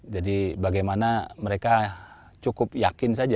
jadi bagaimana mereka cukup yakin saja